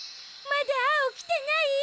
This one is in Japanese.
まだアオきてない？